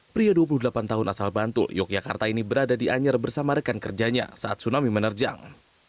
pria dua puluh delapan tahun asal bantul yogyakarta ini berada di anyar bersama rekan kerjanya saat tsunami menerjang